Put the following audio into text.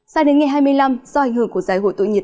sao đến ngày hai mươi năm do ảnh hưởng của giải hội tội nhiệt